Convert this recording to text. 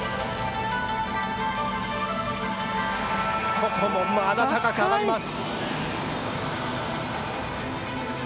ここもまだ高く上がります。